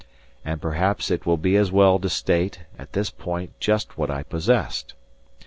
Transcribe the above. And perhaps it will be as well to state at this point just what I possessed.